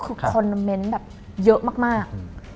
คือคอนโมเมนต์แบบเยอะมาก